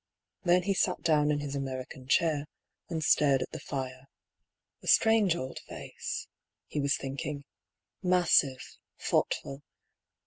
Then he sat down in his American chair, and stared at the fire. " A strange old face," he was thinking, " massive, thoughtful.